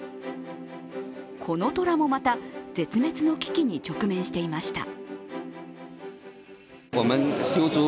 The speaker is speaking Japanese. このトラもまた、絶滅の危機に直面していました。